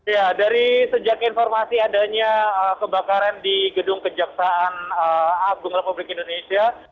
ya dari sejak informasi adanya kebakaran di gedung kejaksaan agung republik indonesia